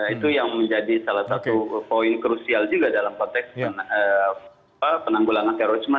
itu yang menjadi salah satu poin krusial juga dalam konteks penanggulangan terorisme